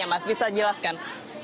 mas bisa jelaskan